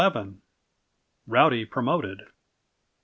Rowdy Promoted.